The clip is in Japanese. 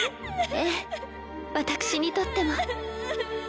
ええ私にとっても。